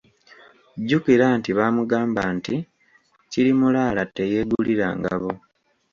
Jjukira nti baamugamba nti, kirimulaala teyeegulira ngabo.